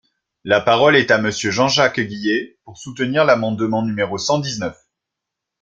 La parole est à Monsieur Jean-Jacques Guillet, pour soutenir l’amendement numéro cent dix-neuf.